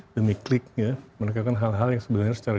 demi kliknya mereka kan hal hal yang sebenarnya secara